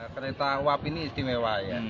kereta uap ini istimewa ya